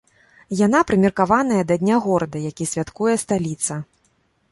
Яна прымеркаваная да дня горада, які святкуе сталіца.